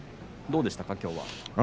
どうでしたか、きょうは。